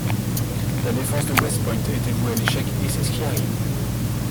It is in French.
La défense de West Point était vouée à l'échec, et c'est ce qui arrive.